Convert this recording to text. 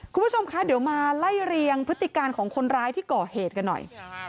คุณผู้ชมคะเดี๋ยวมาไล่เรียงพฤติการของคนร้ายที่ก่อเหตุกันหน่อย